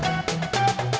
saya juga ngantuk